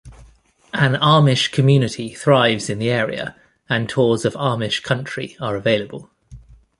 An Amish community thrives in the area and tours of Amish country are available.